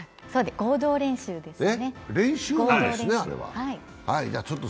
合同練習ですよね。